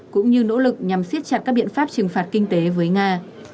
cũng như nỗ lực nhằm siết chặt các biện pháp trừng phạt kinh tế với nga